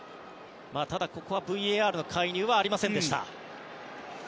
ここはＶＡＲの介入はありませんでした。